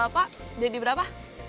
pak jadi berapa